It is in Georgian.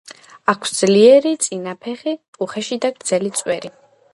აქვს ძლიერი წინა ფეხები, უხეში და გრძელი წვერი.